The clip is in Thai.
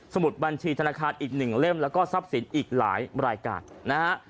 มุดบัญชีธนาคารอีก๑เล่มแล้วก็ทรัพย์สินอีกหลายรายการนะฮะ